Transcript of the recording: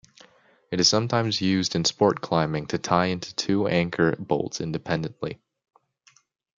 It is sometimes used in sport climbing to tie into two anchor bolts independently.